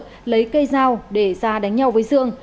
nhất đi vào bếp của nhà chú ruột lấy cây dao để ra đánh nhau với dương